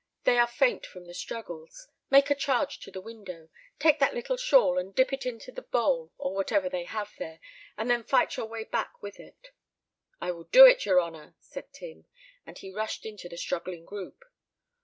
They are faint from the struggles. Make a charge to the window. Take that little shawl and dip it into the bowl or whatever they have there, and then fight your way back with it." "I will do it, yer honour," said Tim, and he rushed into the struggling group.